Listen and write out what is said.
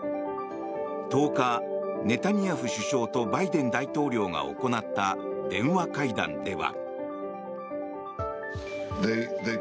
１０日、ネタニヤフ首相とバイデン大統領が行った電話会談では。